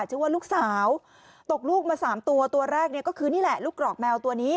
ชื่อว่าลูกสาวตกลูกมาสามตัวตัวแรกเนี่ยก็คือนี่แหละลูกกรอกแมวตัวนี้